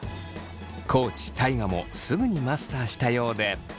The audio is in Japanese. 地大我もすぐにマスターしたようで。